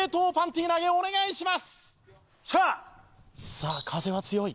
さあ風は強い。